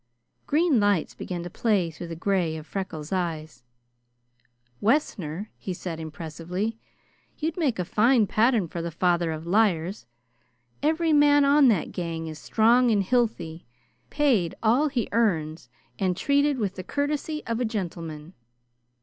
Green lights began to play through the gray of Freckles' eyes. "Wessner," he said impressively, "you'd make a fine pattern for the father of liars! Every man on that gang is strong and hilthy, paid all he earns, and treated with the courtesy of a gentleman!